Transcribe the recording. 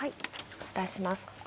お伝えします。